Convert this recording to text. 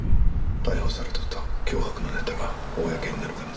逮捕された途端脅迫のネタが公になる可能性も。